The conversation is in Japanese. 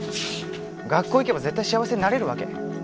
学校行けば絶対幸せになれるわけ？